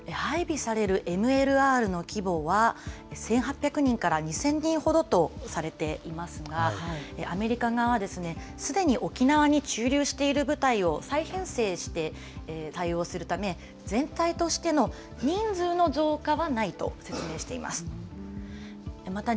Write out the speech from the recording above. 配備されるＭＬＲの規模は、１８００人から２０００人ほどとされていますが、アメリカ側はすでに沖縄に駐留している部隊を再編成して対応するため、全体としての人数の増加はないと説明しています。